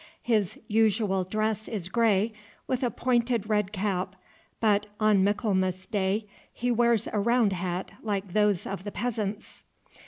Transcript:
His usual dress is grey, with a pointed red cap, but on Michaelmas day he wears a round hat like those of the peasants.